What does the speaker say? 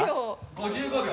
５５秒。